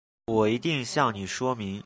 我一定向你说明